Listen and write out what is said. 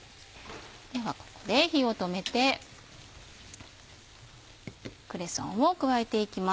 ではここで火を止めてクレソンを加えていきます。